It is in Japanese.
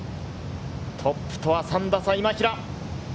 トップとは３打差、今平。